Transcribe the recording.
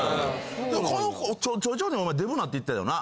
徐々にお前デブになっていったよな？